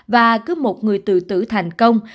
và cứ một người tự tử thành công